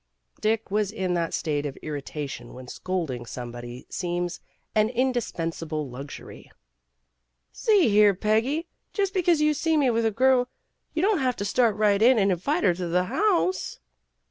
Dick was in that state of irritation when scolding somebody seems an indispensable lux ury. "See here, Peggy, just because you see me with a girl, you don't have to start right in and invite her to the house."